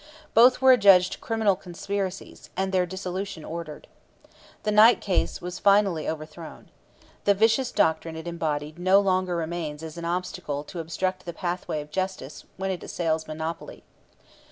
Both were adjudged criminal conspiracies, and their dissolution ordered. The Knight case was finally overthrown. The vicious doctrine it embodied no longer remains as an obstacle to obstruct the pathway of justice when it assails monopoly.